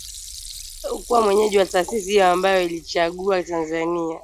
kuwa mwenyeji wa taasisi hiyo ambayo iliichagua Tanzania